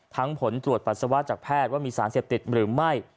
ผลตรวจปัสสาวะจากแพทย์ว่ามีสารเสพติดหรือไม่